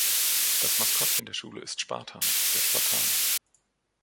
Das Maskottchen der Schule ist „Spartan“ – der Spartaner.